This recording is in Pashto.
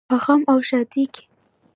په غم او ښادۍ کې.